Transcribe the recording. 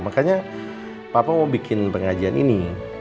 makanya papa mau bikin pengajian ini